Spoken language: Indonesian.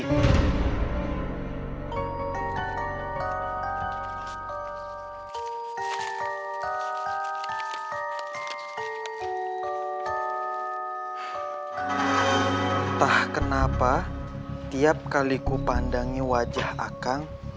entah kenapa tiap kali kupandangi wajah akang